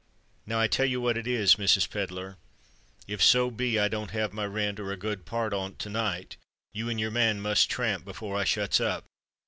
Now I tell you what it is, Mrs. Pedler—if so be I don't have my rent, or a good part on't to night, you and your man must tramp before I shuts up.